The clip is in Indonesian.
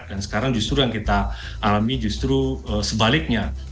dan sekarang justru yang kita alami justru sebaliknya